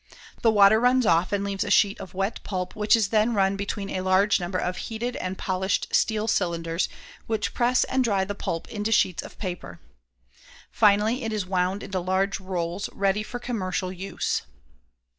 The water runs off and leaves a sheet of wet pulp which then is run between a large number of heated and polished steel cylinders which press and dry the pulp into sheets of paper. Finally, it is wound into large rolls ready for commercial use.